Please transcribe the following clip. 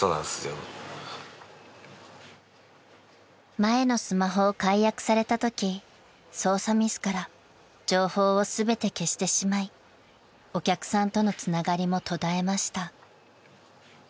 ［前のスマホを解約されたとき操作ミスから情報を全て消してしまいお客さんとのつながりも途絶えました］